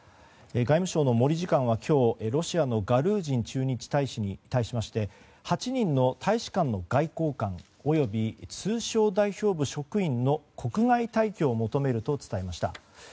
外務省の森次官は、今日ロシアのガルージン駐日大使に対しまして８人の大使館の外交官および通商代表部職員の国外退去を求めると伝えました。